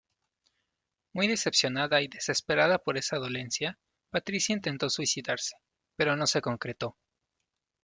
Muy decepcionada y desesperada por esa dolencia, Patrícia intentó suicidarse, pero no se concretó.